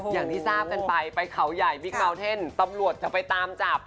อย่างที่ทราบกันไปไปเขาใหญ่บิ๊กเมาเท่นตำรวจจะไปตามจับ